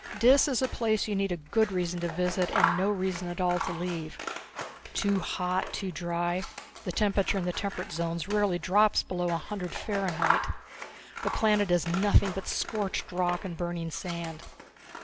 Dis is a place you need a good reason to visit and no reason at all to leave. Too hot, too dry; the temperature in the temperate zones rarely drops below a hundred Fahrenheit. The planet is nothing but scorched rock and burning sand.